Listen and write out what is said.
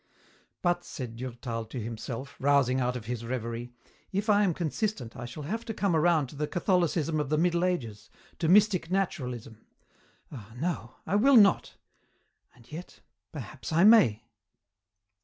"But," said Durtal to himself, rousing out of his revery, "if I am consistent I shall have to come around to the Catholicism of the Middle Ages, to mystic naturalism. Ah, no! I will not and yet, perhaps I may!"